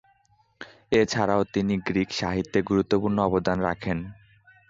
এছাড়াও তিনি গ্রিক সাহিত্যে গুরুত্বপূর্ণ অবদান রাখেন।